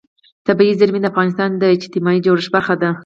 طبیعي زیرمې د افغانستان د اجتماعي جوړښت برخه ده.